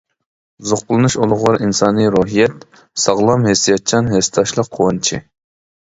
زوقلىنىش-ئۇلۇغۋار ئىنسانىي روھىيەت، ساغلام ھېسسىياتچان ھېسداشلىق قۇۋانچى!